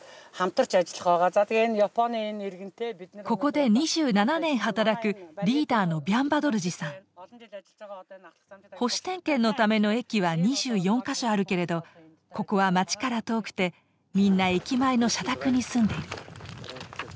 ここで２７年働くリーダーの保守点検のための駅は２４か所あるけれどここは街から遠くてみんな駅前の社宅に住んでいる。